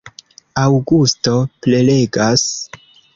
Aŭgusto prelegas.